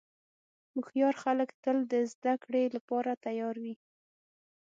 هوښیار خلک تل د زدهکړې لپاره تیار وي.